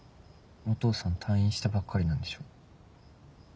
お父さん退院したばっかりなんでしょ？